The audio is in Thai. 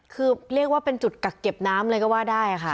คือเรียกว่าเป็นจุดกักเก็บน้ำเลยก็ว่าได้ค่ะ